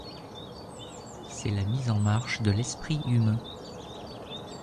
C'est la mise en marche de l'esprit humain.